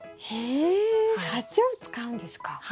へえ鉢を使うんですか？